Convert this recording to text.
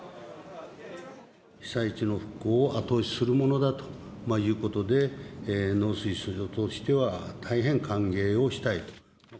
被災地の復興を後押しするものだということで、農水省としては大変歓迎をしたいと。